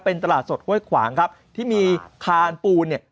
เป็นตลาดสดห้วยขวางครับที่มีคานปูนเนี่ย